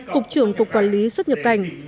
cục trưởng cục quản lý xuất nhập cảnh